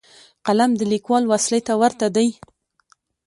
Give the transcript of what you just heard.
قلم د لیکوال وسلې ته ورته دی.